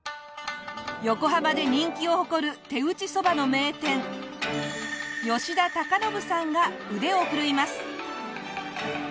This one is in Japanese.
横浜で人気を誇る手打そばの名店吉田多加展さんが腕を振るいます。